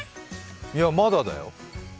いや、まだだよ。